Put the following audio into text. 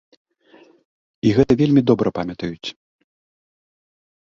І гэта вельмі добра памятаюць.